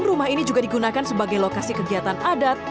rumah ini juga digunakan sebagai lokasi kegiatan adat